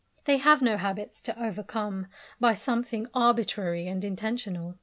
They have no habits to overcome by something arbitrary and intentional.